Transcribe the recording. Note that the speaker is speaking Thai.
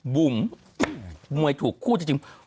บุ๋มมวยถูกคู่จริง